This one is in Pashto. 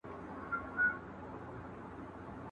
په خپلو څېړنو کې له ساینسي وسایلو ګټه واخلئ.